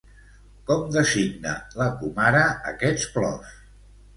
Com designa la comare aquests plors?